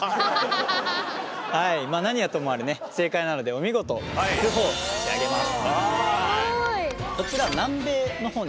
何はともあれね正解なのでお見事１００ほぉ差し上げます。